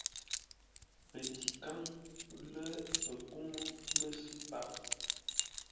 Pətikáŋ lə̂ pəkúŋú məsʉ̂ páp.